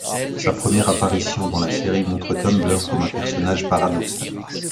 Sa première apparition dans la série montre Tumbler comme un personnage paradoxal.